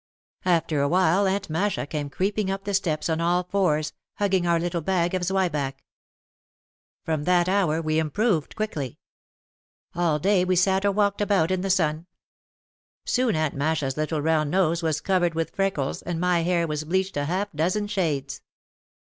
After a while Aunt Masha came creeping up the steps on all fours, hugging our little bag of zwieback. From that hour we improved quickly. All day we sat or walked about in the sun. Soon Aunt Masha's little round nose was covered with freckles and my hair was bleached a half dozen shades.